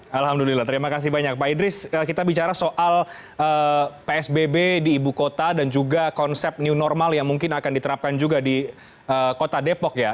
alhamdulillah terima kasih banyak pak idris kita bicara soal psbb di ibu kota dan juga konsep new normal yang mungkin akan diterapkan juga di kota depok ya